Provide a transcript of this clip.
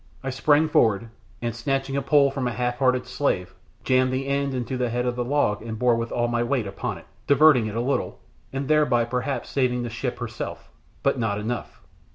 I sprang forward, and snatching a pole from a half hearted slave, jammed the end into the head of the log and bore with all my weight upon it, diverting it a little, and thereby perhaps saving the ship herself, but not enough.